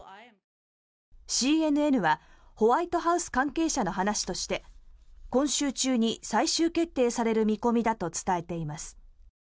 ＣＮＮはホワイトハウス関係者の話として今週中に最終決定される見込みだと伝えています。